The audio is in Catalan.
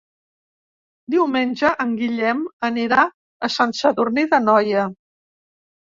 Diumenge en Guillem anirà a Sant Sadurní d'Anoia.